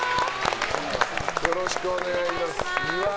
よろしくお願いします。